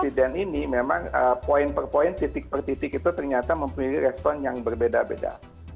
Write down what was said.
masalah lensa spiden ini memang poin per poin titik per titik itu ternyata memiliki respon yang berbeda beda